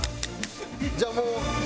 じゃあもう。